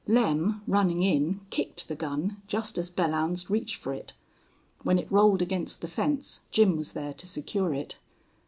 Lem, running in, kicked the gun just as Belllounds reached for it. When it rolled against the fence Jim was there to secure it.